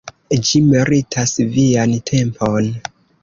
Ĝi meritas vian tempon.